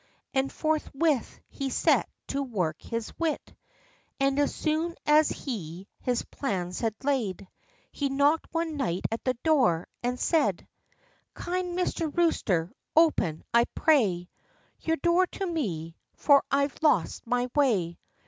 And forthwith he set to work his wit ; And as soon as he his plans had laid, He knocked one night at the door, and said, "Kind Mr. Eooster, open, I pray, Your door to me, for I've lost my way.